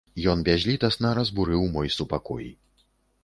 Ён бязлітасна разбурыў мой супакой.